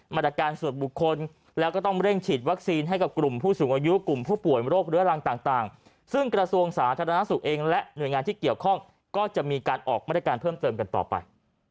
มาตรการส่วนบุคคลแล้วก็ต้องเร่งฉีดวัคซีนให้กับกลุ่มผู้สูงอายุกลุ่มผู้ป่วยโรคเรื้อรังต่างซึ่งกระทรวงสาธารณสุขเองและหน่วยงานที่เกี่ยวข้องก็จะมีการออกมาตรการเพิ่มเติมกันต่อไป